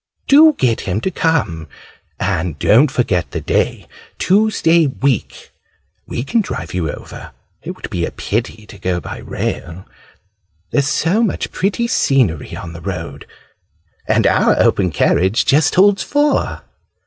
"Do get him to come! And don't forget the day, Tuesday week. We can drive you over. It would be a pity to go by rail there is so much pretty scenery on the road. And our open carriage just holds four."